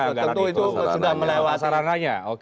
tentu itu sudah melewati prasarananya